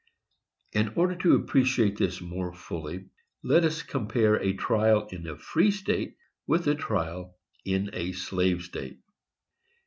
In order to appreciate this more fully, let us compare a trial in a free state with a trial in a slave state.